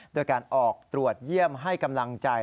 โดยการออกตรวจเยี่ยมให้กำลังใจ